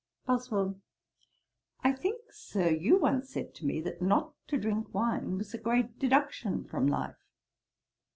BOSWELL. 'I think, Sir, you once said to me, that not to drink wine was a great deduction from life.'